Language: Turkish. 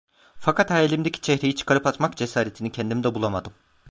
Fakat hayalimdeki çehreyi çıkarıp atmak cesaretini kendimde bulamadım.